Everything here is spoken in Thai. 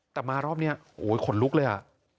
แต่มารอบนี้โอ้ยขนลุกเลยอ่ะ